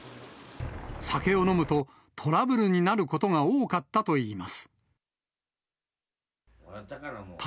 酒を飲むと、トラブルになることが多かったといいます。